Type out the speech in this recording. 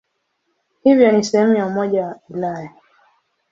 Hivyo ni sehemu ya Umoja wa Ulaya.